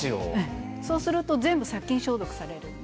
そうすると全部殺菌消毒されるので。